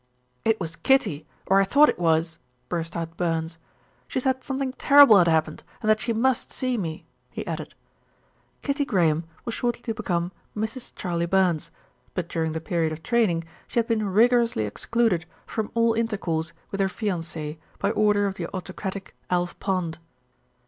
"It was Kitty, or I thought it was," burst out Burns. "She said something terrible had happened and that she must see me," he added. Kitty Graham was shortly to become Mrs. Charley Burns, but during the period of training she had been rigorously excluded from all intercourse with her fiancé by order of the autocratic Alf Pond.